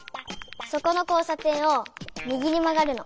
そこの交さ点を右にまがるの。